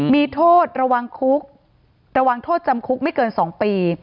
มีโทษระวังคุกระวังโทษจำคุกไม่เกิน๒ปี